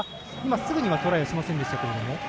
すぐにはトライしませんでしたけれども。